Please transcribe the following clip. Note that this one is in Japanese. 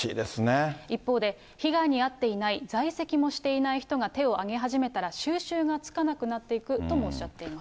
一方で、被害に遭っていない、在籍もしていない人が手を挙げ始めたら、収拾がつかなくなっていくともおっしゃっています。